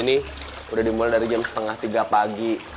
ini udah dimulai dari jam setengah tiga pagi